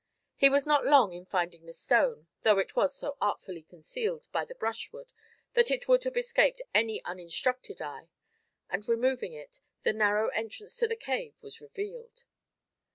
He was not long in finding the stone, though it was so artfully concealed by the brushwood that it would have escaped any uninstructed eye, and removing it, the narrow entrance to the cave was revealed.